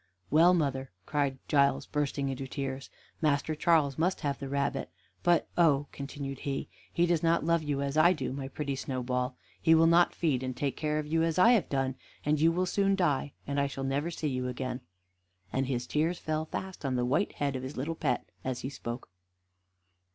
"Well, mother," cried Giles, bursting into tears, "Master Charles must have the rabbit. But oh!" continued he, "he does not love you as I do, my pretty Snowball; he will not feed and take care of you as I have done, and you will soon die, and I shall never see you again." And his tears fell fast on the white head of his little pet as he spoke.